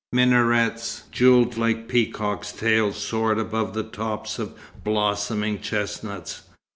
Minarets jewelled like peacocks' tails soared above the tops of blossoming chestnuts.